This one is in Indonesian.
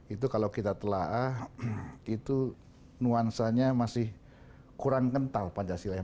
itu kalau kita telah itu nuansanya masih kurang kental pancasila ya